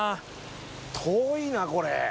遠いなこれ。